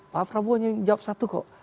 pak prabowo hanya jawab satu kok